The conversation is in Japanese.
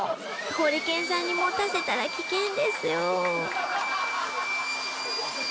ホリケンさんに持たせたら危険ですよ